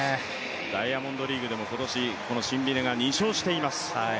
ダイヤモンドリーグでもこのシンビネが２勝しています。